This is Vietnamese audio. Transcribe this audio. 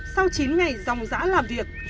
sau chín ngày dòng dã làm việc